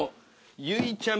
ゆいちゃみ。